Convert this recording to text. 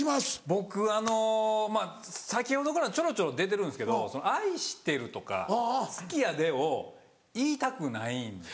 僕あの先ほどからちょろちょろ出てるんですけど「愛してる」とか「好きやで」を言いたくないんですよ。